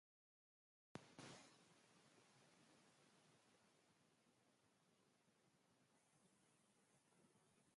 It is part of City of Lismore.